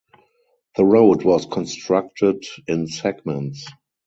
The road was constructed in segments.